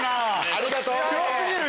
ありがとう！